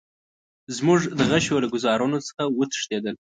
زموږ د غشیو له ګوزارونو څخه وتښتېدل.